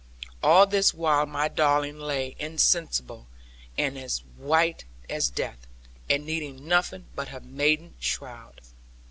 All this while my darling lay insensible, and white as death; and needed nothing but her maiden shroud.